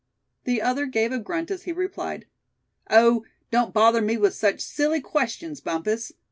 The other gave a grunt as he replied: "Oh! don't bother me with such silly questions, Bumpus.